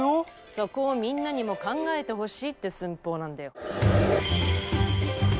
そこをみんなにも考えてほしいって寸法なんだよ！